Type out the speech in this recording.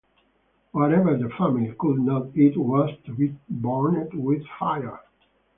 Whatever the family could not eat was to be burned with fire.